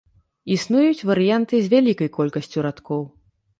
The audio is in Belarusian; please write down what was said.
Існуюць варыянты з вялікай колькасцю радкоў.